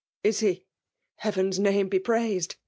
'*'* Is he ?— Heaven's name be praised